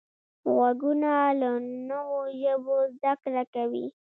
غوږونه له نوو ژبو زده کړه کوي